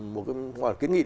một cái kín nghị